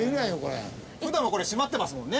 普段はこれ閉まってますもんね。